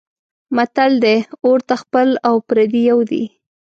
متل دی: اور ته خپل او پردی یو دی.